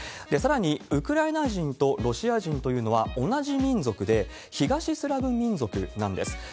さらに、ウクライナ人とロシア人というのは同じ民族で、東スラブ民族なんです。